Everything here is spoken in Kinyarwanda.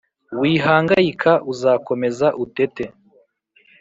Wihangayika, uzakomeza utete